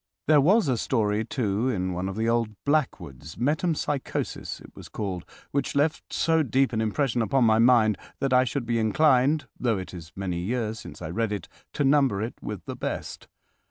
There was a story, too, in one of the old Blackwoods—"Metempsychosis" it was called, which left so deep an impression upon my mind that I should be inclined, though it is many years since I read it, to number it with the best.